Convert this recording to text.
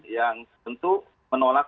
yang tentu menolak